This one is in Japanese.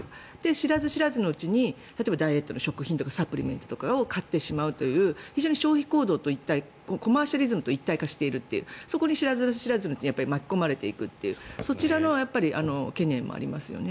知らず知らずのうちにダイエットの食品とかサプリメントを買ってしまうという非常に消費行動とコマーシャリズムと一体化しているそこに知らず知らずのうちに巻き込まれていくというそちらの懸念もありますね。